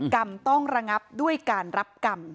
กรรมต้องระงับด้วยการรับกรรม